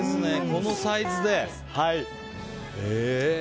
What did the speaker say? このサイズで！